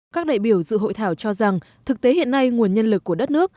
các đại biểu dự hội thảo cho rằng thực tế hiện nay nguồn nhân lực của đất nước